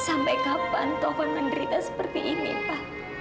sampai kapan tovan menderita seperti ini pa